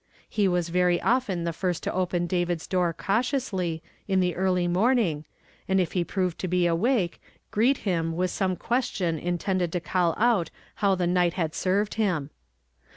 I Je was very often the lirst to open David's door cauticmsly, in the early morning, and if ],e proved to be awake, greet lum with some question intended to call out how the night had seived him.